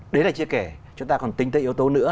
đấy là chưa kể chúng ta còn tính tới yếu tố nữa